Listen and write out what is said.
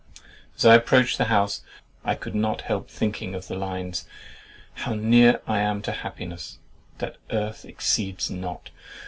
As I approached the house, I could not help thinking of the lines— "How near am I to a happiness, That earth exceeds not!